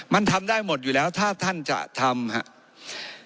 มันทำได้หมดอยู่แล้วถ้าท่านจะทำครับ